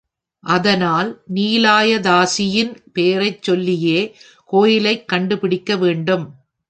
ஆதலால் நீலாயதாக்ஷியின் பெயரைச் சொல்லியே கோயிலைக் கண்டுபிடிக்க வேண்டும்.